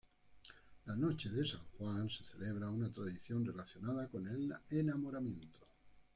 La noche de San Juan se celebra una tradición relacionada con el enamoramiento.